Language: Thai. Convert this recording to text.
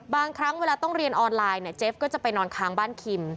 บางครั้งเวลาต้องเรียนออนไลน์เนี่ยเจฟก็จะไปนอนค้างบ้านคิม